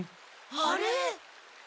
あれ。